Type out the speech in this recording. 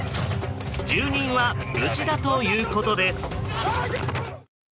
住人は無事だということです。